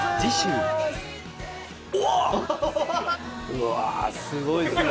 うわすごいっすね